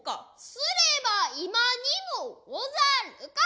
すれば今にもござるか。